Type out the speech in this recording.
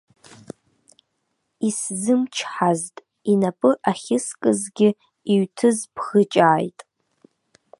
Исзымчҳазт, инапы ахьыскызгьы иҩҭызбӷыҷааит.